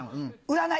占い！